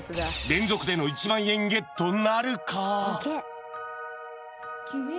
連続での１万円ゲットなるか？